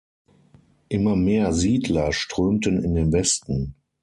Immer mehr Siedler strömten in den Westen.